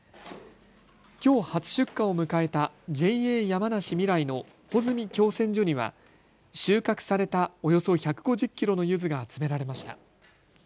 きょう初出荷を迎えたＪＡ山梨みらいの穂積共選所には収穫されたおよそ１５０キロのゆずが集められました。